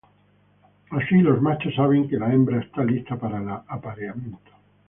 Así, los machos saben que la hembra está lista para el apareamiento.